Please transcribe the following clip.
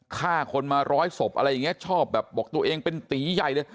ฆ่าคนมาร้อยศพอะไรอย่างนี้ชอบแบบบอกตัวเองเป็นตีใหญ่เลย